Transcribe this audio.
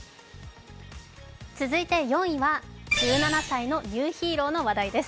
続いて４位は１７歳のニューヒーローの話題です。